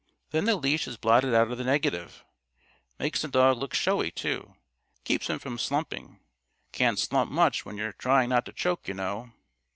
Then the leash is blotted out of the negative. Makes the dog look showy, too keeps him from slumping. Can't slump much when you're trying not to choke, you know."